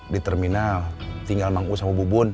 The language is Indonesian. di terminal tinggal mangku sama bubun